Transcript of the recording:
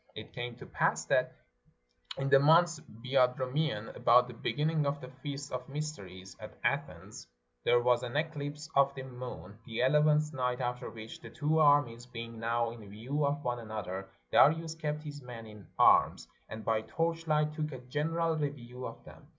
It came to pass that in the month Boedro mion, about the beginning of the feast of Mysteries at Athens, there was an eclipse of the moon, the eleventh night after which, the two armies being now in view of one another, Darius kept his men in arms, and by torch light took a general review of them.